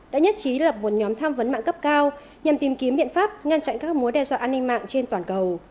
đã nhất trí lập một nhóm tham vấn mạng cấp cao nhằm tìm kiếm biện pháp ngăn chặn các mối đe dọa an ninh mạng trên toàn cầu